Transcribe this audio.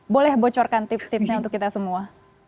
boleh bocorkan tips tipsnya untuk kita semua